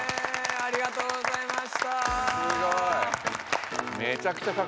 ありがとうございます。